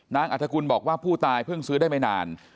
อัฐกุลบอกว่าผู้ตายเพิ่งซื้อได้ไม่นาน